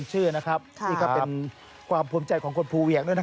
คือผลุมจัยกับคนภูเวียง